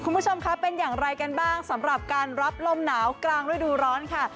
คุณผู้ชมคะเป็นอย่างไรกันบ้างสำหรับการรับลมหนาวกลางฤดูร้อนค่ะ